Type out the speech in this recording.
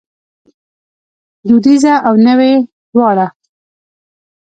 دودیزه او نوې دواړه